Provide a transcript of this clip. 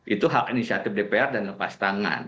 itu hak inisiatif dpr dan lepas tangan